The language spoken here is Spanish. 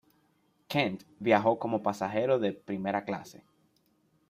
Kent viajó como pasajero de primera clase.